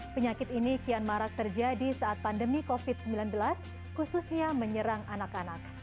penyakit ini kian marak terjadi saat pandemi covid sembilan belas khususnya menyerang anak anak